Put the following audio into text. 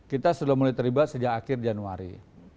kita sudah mulai terlibat sejak akhir januari